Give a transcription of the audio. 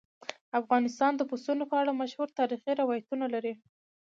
افغانستان د پسونو په اړه مشهور تاریخي روایتونه لري.